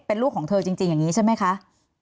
เป็นลูกของเธอจริงอย่างนี้ใช่ไหมคะ